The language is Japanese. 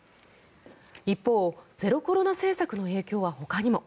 一方、ゼロコロナ政策の影響はほかにも。